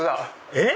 えっ？